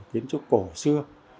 kiến trúc cổ xưa